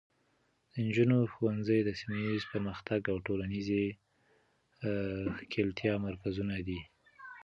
د نجونو ښوونځي د سیمه ایزې پرمختګ او ټولنیزې ښکیلتیا مرکزونه دي.